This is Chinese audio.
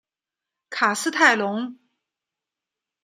卡斯泰龙。